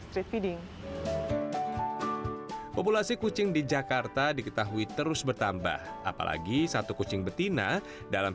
street feeding populasi kucing di jakarta diketahui terus bertambah apalagi satu kucing betina dalam